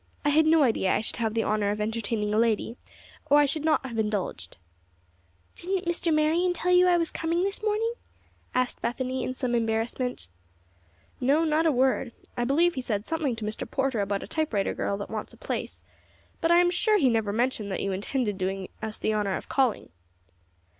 I had no idea I should have the honor of entertaining a lady, or I should not have indulged." "Didn't Mr. Marion tell you I was coming this morning?" asked Bethany, in some embarrassment. "No, not a word. I believe he said something to Mr. Porter about a typewriter girl that wants a place, but I am sure he never mentioned that you intended doing us the honor of calling."